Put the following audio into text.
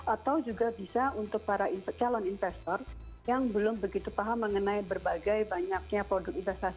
atau juga bisa untuk para calon investor yang belum begitu paham mengenai berbagai banyaknya produk investasi